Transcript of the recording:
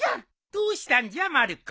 どうしたんじゃまる子。